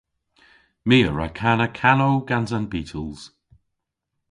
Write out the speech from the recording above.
My a wra kana kanow gans an Beatles.